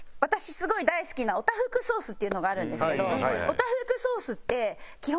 すごい大好きなオタフクソースっていうのがあるんですけどオタフクソースって基本